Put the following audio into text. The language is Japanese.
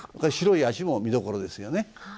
白い足も見どころですよね。